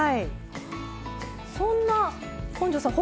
そんな本上さん